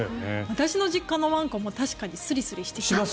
私の実家のワンコも確かにスリスリしてくる。